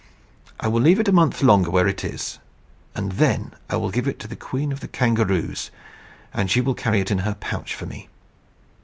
"I will leave it a month longer where it is, and then I will give it to the Queen of the Kangaroos, and she will carry it in her pouch for me.